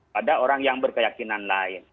pada orang yang berkeyakinan lain